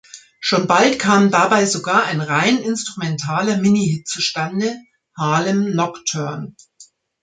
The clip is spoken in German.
Schon bald kam dabei sogar ein rein instrumentaler Mini-Hit zustande: "Harlem Nocturne".